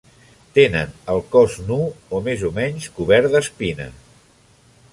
Tenen el cos nu o més o menys cobert d'espines.